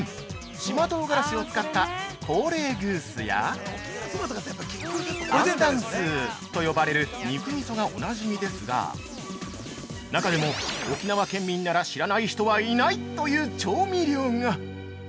島とうがらしを使ったコーレーグースや、アンダンスーと呼ばれる肉みそがおなじみですが中でも沖縄県民なら知らない人はいないという調味料が◆